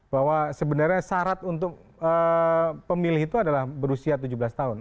bahwa sebenarnya syarat untuk pemilih itu adalah berusia tujuh belas tahun